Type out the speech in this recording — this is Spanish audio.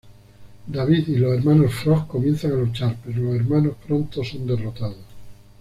David y los hermanos Frog comienzan a luchar, pero los hermanos pronto son derrotados.